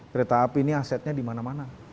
kereta api ini asetnya di mana mana